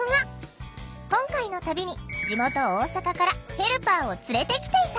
今回の旅に地元大阪からヘルパーを連れてきていた！